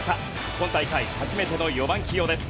今大会初めての４番起用です。